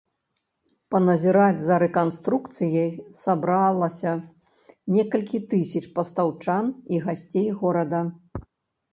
Паназіраць за рэканструкцыяй сабралася некалькі тысяч пастаўчан і гасцей горада.